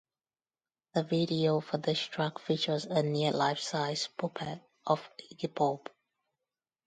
The video for this track features a near life size puppet of Iggy Pop.